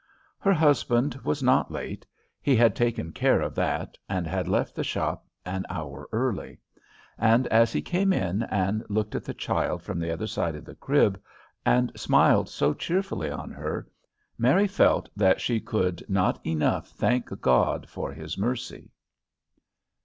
Her husband was not late. He had taken care of that, and had left the shop an hour early. And as he came in and looked at the child from the other side of the crib, and smiled so cheerfully on her, Mary felt that she could not enough thank God for his mercy.